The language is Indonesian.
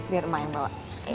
biar emak yang bawa